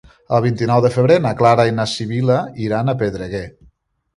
El vint-i-nou de febrer na Clara i na Sibil·la iran a Pedreguer.